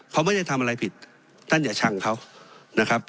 เขาไม่ใช่ทำอะไรผิดท่านอย่าชั่งเขา